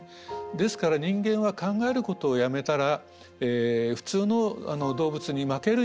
ですから人間は考えることをやめたら普通の動物に負ける生き物なんですね。